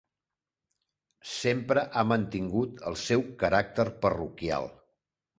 Sempre ha mantingut el seu caràcter parroquial.